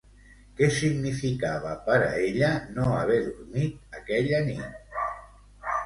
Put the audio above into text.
Què significava per a ella no haver dormit aquella nit?